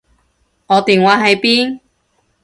我電話喺邊？